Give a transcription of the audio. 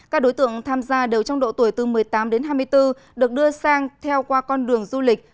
các đối tượng tham gia đều trong độ tuổi từ một mươi tám đến hai mươi bốn được đưa sang theo qua con đường du lịch